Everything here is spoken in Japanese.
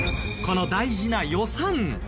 この大事な予算。